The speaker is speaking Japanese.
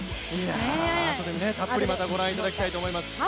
あとでたっぷりご覧いただきたいと思います。